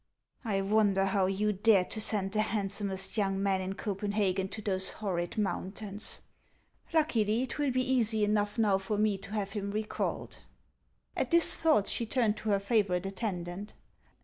I wonder how you dared to send the handsomest young man in Copenhagen to those horrid mountains! Luckily, it will be easy enough now for me to have him recalled." 300 HANS OF ICELAND. At this thought she turned to her favorite attendant.